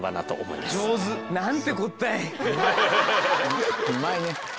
うまいね。